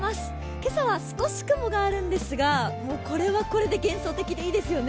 今朝は少し雲があるんですがこれはこれで幻想的でいいですよね。